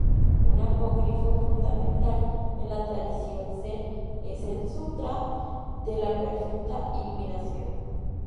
Un apócrifo fundamental en la tradición zen es ""El Sūtra de la Perfecta Iluminación"".